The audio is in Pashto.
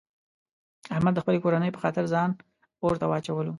احمد د خپلې کورنۍ په خاطر ځان اورته واچولو.